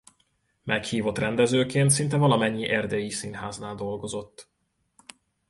Meghívott rendezőként szinte valamennyi erdélyi színháznál dolgozott.